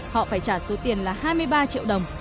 họ phải trả số tiền là hai mươi ba triệu đồng